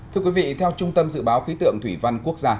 thưa quý vị theo trung tâm dự báo khí tượng thủy văn quốc gia